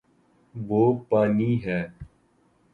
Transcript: وہ پانی ہے